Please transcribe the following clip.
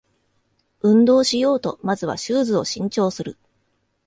運動しようとまずはシューズを新調する